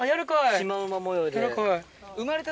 シマウマ模様で。